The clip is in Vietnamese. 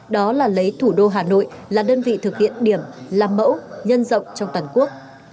đó là lấy thủ đô hà nội là đơn vị thực hiện điểm làm mẫu nhân rộng trong toàn quốc